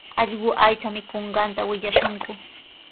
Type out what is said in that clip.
Allqu aycha mikunqanta willashunku.